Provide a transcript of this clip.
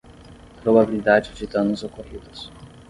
Probabilidade de danos ocorridos.